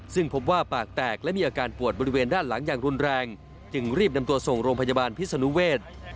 ซึ่งพบว่าปากแตกและมีอาการปวดบริเวณด้านหลังอย่างรุนแรงจึงรีบนำตัวส่งโรงพยาบาลพิศนุเวศ